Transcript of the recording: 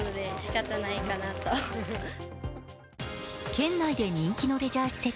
県内で人気のレジャー施設